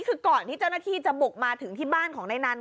คือก่อนที่เจ้าหน้าที่จะบุกมาถึงที่บ้านของนายนัน